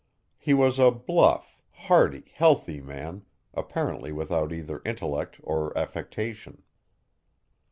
He was a bluff, hearty, healthy man, apparently without either intellect or affectation.